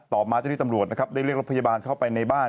ต่อมาเจ้าที่ตำรวจนะครับได้เรียกรถพยาบาลเข้าไปในบ้าน